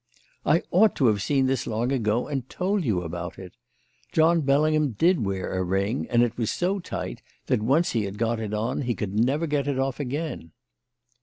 "I ought to have seen this long ago and told you about it. John Bellingham did wear a ring, and it was so tight that, when once he had got it on, he could never get it off again."